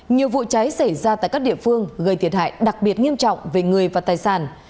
nhiều vụ cháy xảy ra tại các địa phương gây thiệt hại đặc biệt nghiêm trọng về người và tài sản